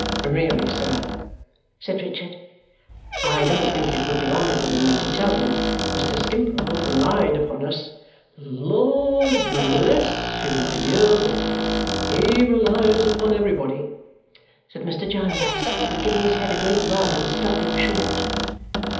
"Really, sir," said Richard, "I don't think it would be honourable in me to tell you. Mr. Skimpole relied upon us " "Lord bless you, my dear boy! He relies upon everybody!" said Mr. Jarndyce, giving his head a great rub and stopping short.